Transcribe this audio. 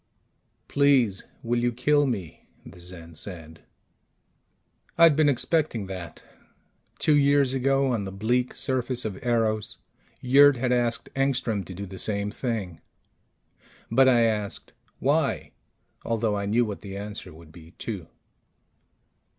"Please, will you kill me?" the Zen said. I'd been expecting that. Two years ago, on the bleak surface of Eros, Yurt had asked Engstrom to do the same thing. But I asked, "Why?" although I knew what the answer would be, too.